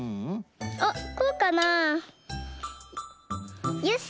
あっこうかな？よし！